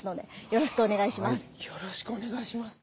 よろしくお願いします。